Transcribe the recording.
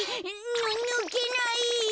ぬぬけない。